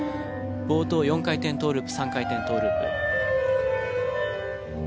冒頭４回転トーループ３回転トーループ。